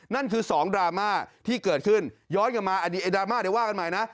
นั่นคือ๒ดราม่าที่เกิดขึ้นย้อนกลับมาอันนี้ไอ้ดราม่าเดี๋ยวว่ากันใหม่นะ